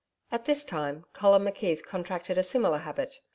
At this time, Colin McKeith contracted a similar habit.